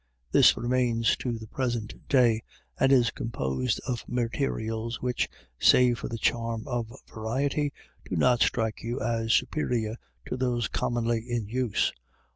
This remains to the present day, and is composed of materials which, save for the charm of variety, do not strike you as superior to those commonly in use.